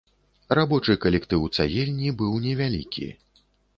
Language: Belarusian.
Рабочы калектыў цагельні быў невялікі.